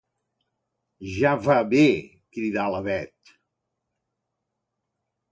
Ja va bé! —cridà la Bet—.